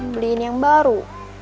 beliin yang baru